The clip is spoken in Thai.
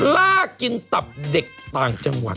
ลากกินตับเด็กต่างจังหวัด